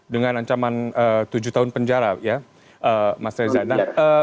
dengan ancaman tujuh tahun penjara ya mas reza